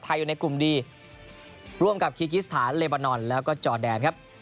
อยู่ในกลุ่มดีร่วมกับคีกิสถานเลบานอนแล้วก็จอแดนครับ